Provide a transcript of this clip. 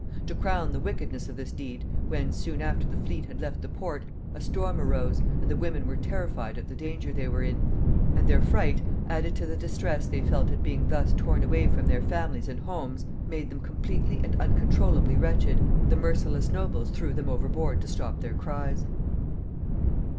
To crown the wickedness of this deed, when, soon after the fleet had left the port, a storm arose, and the women were terrified at the danger they were in, and their fright, added to the distress they felt at being thus torn away from their families and homes, made them completely and uncontrollably wretched, the merciless nobles threw them overboard to stop their cries.